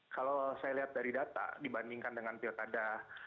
kalau saya lihat dari data dibandingkan dengan pilkada dua ribu dua belas